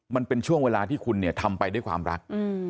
มันเป็นช่วงเวลาที่คุณเนี่ยทำไปด้วยความรัก